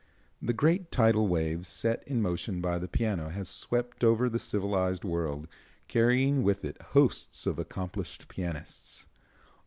The great tidal wave set in motion by the piano has swept over the civilized world, carrying with it hosts of accomplished pianists.